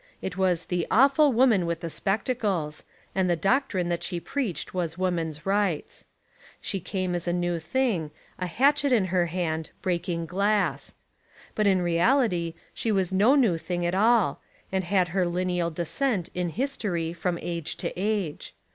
It was the Awful Woman with the Spectacles, and the doctrine that she preached was Woman's Rights. She came as a new thing, a hatchet in her hand, breaking glass. But in reality she was no new 147 Essays and Literary Studies thing at all, and had her lineal descent in his tory from age to age.